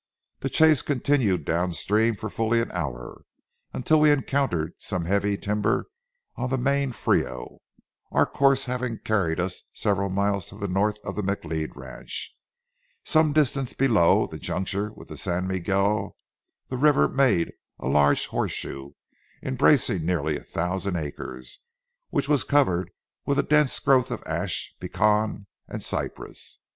The chase continued down stream for fully an hour, until we encountered some heavy timber on the main Frio, our course having carried us several miles to the north of the McLeod ranch. Some distance below the juncture with the San Miguel the river made a large horseshoe, embracing nearly a thousand acres, which was covered with a dense growth of ash, pecan, and cypress.